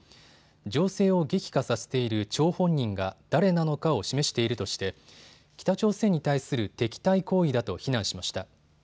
情勢を激化させている張本人が誰なのかを示しているとして北朝鮮に対する敵対行為だと非難しました。